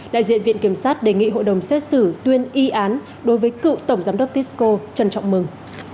đại diện viện kiểm sát đề nghị hội đồng xét xử tuyên y án đối với cựu tổng giám đốc tisco trần trọng mừng